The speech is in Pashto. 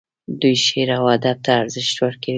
دوی شعر او ادب ته ارزښت ورکوي.